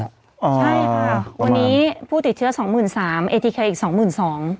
ใช่ค่ะวันนี้ผู้ติดเชื้อสองหมื่นสามเอทีเคอีกสองหมื่นสอง